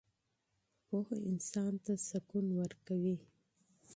پوهه انسان ته سکون ورکوي.